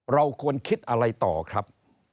เราควรคิดอะไรต่อครับ